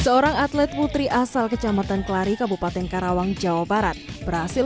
seorang atlet putri asal kecamatan kelari kabupaten karawang jawa barat berhasil